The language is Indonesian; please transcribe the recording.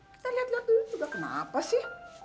kita lihat lihat dulu juga kenapa sih